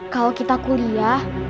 kalau kita kuliah